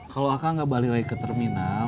kalau akang gak balik lagi ke terminal